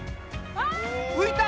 浮いた！